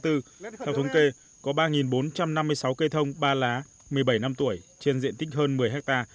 theo thống kê có ba bốn trăm năm mươi sáu cây thông ba lá một mươi bảy năm tuổi trên diện tích hơn một mươi ha